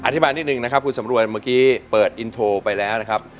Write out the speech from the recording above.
นิดนึงนะครับคุณสำรวยเมื่อกี้เปิดอินโทรไปแล้วนะครับ